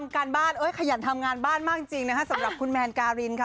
การบ้านขยันทำงานบ้านมากจริงนะคะสำหรับคุณแมนการินค่ะ